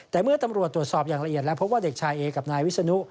แต่เมื่อตำรวจตรวจสอบอย่างละเอียดและพบว่าเด็กชายเอกับนายวิศนุ